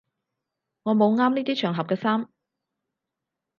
我冇啱呢啲場合嘅衫